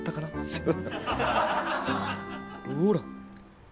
ほら！